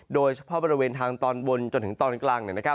โดยเฉพาะบริเวณทางตอนบนจนถึงตอนกลาง